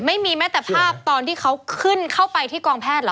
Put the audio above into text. ไม่มีแม้แต่ภาพตอนเขาเข้าไปที่กองแพทย์ล่ะ